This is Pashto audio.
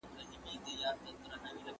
سیمه ایزې بودیجي څنګه ویشل کیږي؟